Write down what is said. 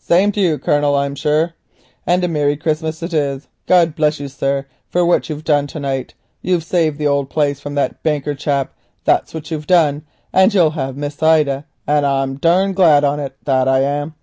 "Same to you, Colonel, I'm sure. And a merry Christmas it is. God bless you, sir, for what you've done to night. You've saved the old place from that banker chap, that's what you've done; and you'll hev Miss Ida, and I'm durned glad on it, that I am.